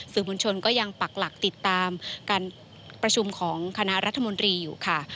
สื่อมวลชนก็ยังปักหลักติดตามการประชุมของคณะรัฐมนตรีอยู่ค่ะ